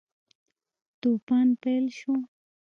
توپان پیل شو.